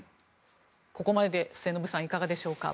ここまでで末延さんいかがでしょうか。